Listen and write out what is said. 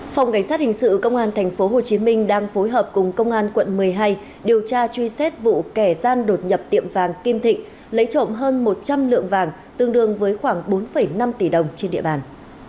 phòng cảnh sát hình sự công an tp hcm đang phối hợp cùng công an quận một mươi hai điều tra truy xét vụ kẻ gian đột nhập tiệm vàng kim thịnh lấy trộm hơn một trăm linh lượng vàng tương đương với khoảng bốn năm tỷ đồng trên địa bàn